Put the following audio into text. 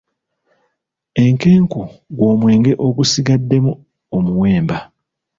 Enkenku gw'omwenge ogusigaddemu omuwemba.